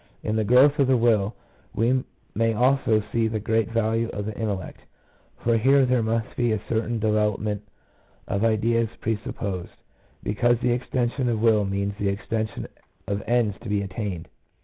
In the growth of the will we may also see the great value of the intellect, for here there must be a certain development of ideas presupposed, because the extension of will means the extension of ends to be attained.